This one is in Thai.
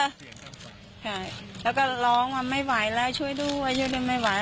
ใช่แล้วก็ร้องว่าไม่ไหวแล้วช่วยด้วยช่วยด้วยไม่ไหว